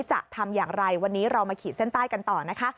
จะทำอย่างไรวันนี้เรามาขีดเส้นใต้กันต่อนะคะ